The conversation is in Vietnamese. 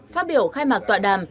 phát biểu khai mạc tòa đàm